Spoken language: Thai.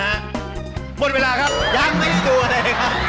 หมดเวลาครับยังไม่ได้ดูอะไรครับ